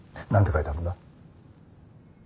書いてあるんだ？